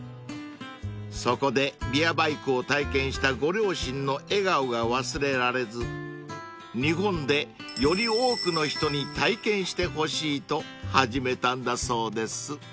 ［そこでビアバイクを体験したご両親の笑顔が忘れられず日本でより多くの人に体験してほしいと始めたんだそうです］